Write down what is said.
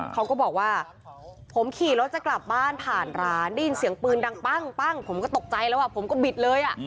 เขาก็บอกว่าผมขี่รถจะกลับบ้านผ่านร้านได้ยินเสียงปืนดังปั้งผมก็ตกใจแล้วผมก็บิดเลย